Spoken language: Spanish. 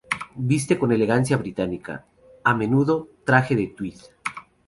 Viste con elegancia británica, a menudo traje de "tweed".